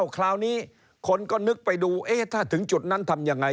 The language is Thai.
คราวนี้คนก็นึกไปดูถ้าถึงจุดนั้นทำยังไง